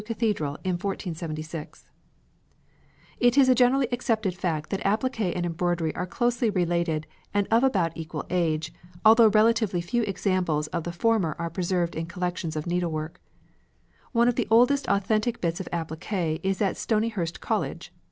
Colours: green and white] It is a generally accepted fact that appliqué and embroidery are closely related and of about equal age, although relatively few examples of the former are preserved in collections of needlework. One of the oldest authentic bits of appliqué is at Stonyhurst College.